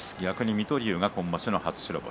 水戸龍は今場所の初白星。